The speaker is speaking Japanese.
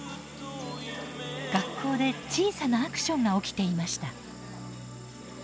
学校で小さなアクションが起きていました。